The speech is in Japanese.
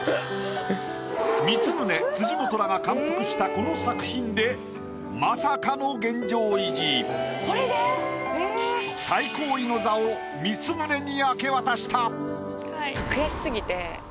光宗辻元らが感服したこの作品で最高位の座を光宗に明け渡した。